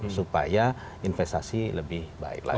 supaya investasi lebih baik lagi